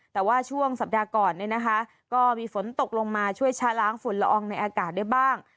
แต่ว่าช่วงสัปดาห์ก่อนเนี่ยนะคะก็มีฝนตกลงมาช่วยชาล้างฝุ่นละอองในอากาศได้บ้าง